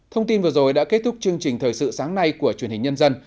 thông tin vừa rồi đã kết thúc chương trình thời sự sáng nay của truyền hình nhân dân